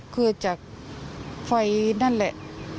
คือจากไฟนั่นแหละ